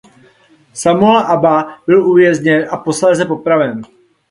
Samuel Aba byl uvězněn a posléze popraven.